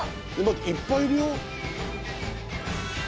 いっぱいいるよ。